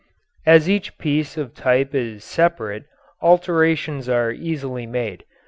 As each piece of type is separate, alterations are easily made.